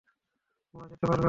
তোমরা যেতে পারবে না।